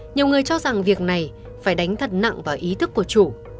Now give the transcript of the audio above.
nhiều người cho rằng việc này phải đánh thật nặng vào ý thức của chủ